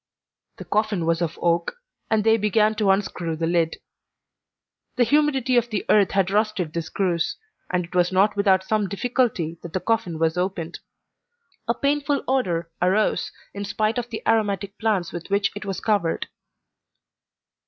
The coffin was of oak, and they began to unscrew the lid. The humidity of the earth had rusted the screws, and it was not without some difficulty that the coffin was opened. A painful odour arose in spite of the aromatic plants with which it was covered.